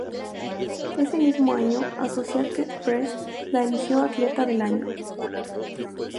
Ese mismo año, Associated Press la eligió Atleta del Año.